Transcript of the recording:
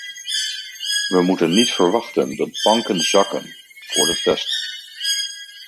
We moeten niet verwachten dat banken zakken voor de test.